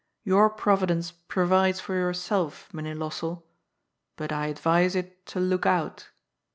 * Your proyidence proyides for yourself, Mynheer Lossell. But I adyise it to look out.'